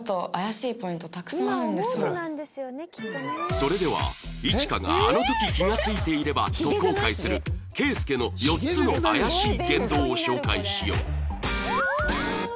それではイチカがあの時気が付いていればと後悔する佳祐の４つの怪しい言動を紹介しよう